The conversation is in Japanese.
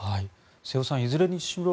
瀬尾さんいずれにしろ